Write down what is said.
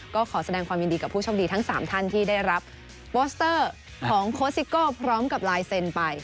ก็ขอแสดงความยินดีกับผู้โชคดีทั้ง๓ท่านที่ได้รับโปสเตอร์ของโคสิโก้พร้อมกับลายเซ็นไป